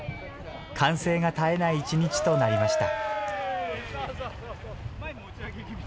歓声が絶えない一日となりました。